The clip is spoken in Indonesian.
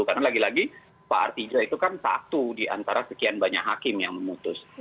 karena lagi lagi pak artijo itu kan satu diantara sekian banyak hakim yang memutus